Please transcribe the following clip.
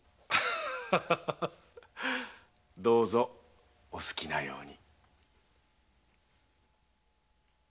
どうぞお好きなように。